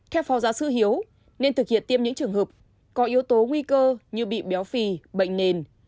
theo phó giáo sư hiếu nên thực hiện tiêm những trường hợp có yếu tố nguy cơ như bị béo phì bệnh nền